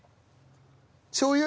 しょうゆ？